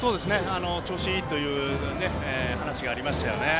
調子がいいという話がありましたよね。